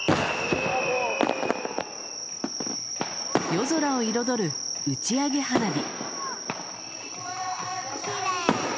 夜空を彩る、打ち上げ花火。